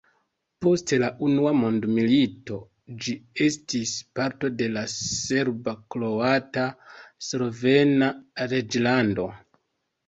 Post la unua mondmilito, ĝi estis parto de la Serba-Kroata-Slovena Reĝlando.